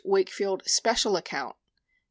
Wakefield special account 6.